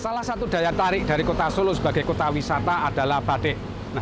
salah satu daya tarik dari kota solo sebagai kota wisata adalah batik